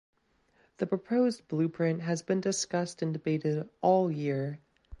The proposed blueprint has been discussed and debated all year.